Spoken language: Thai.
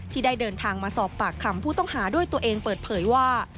ที่ได้เดินทางมาสอบปากคำผู้ต้องหาด้วยตัวเองเปิดเผยว่า